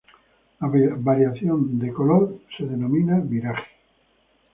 La variación de color se denomina viraje.